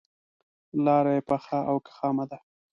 لاره یې پخه او که خامه ده.